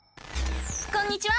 こんにちは！